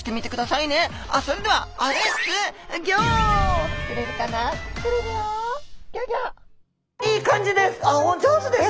いい感じです。